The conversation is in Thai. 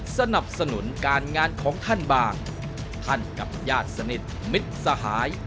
สนับสนุนการงานของท่านบ้างท่านกับญาติสนิทมิตรสหาย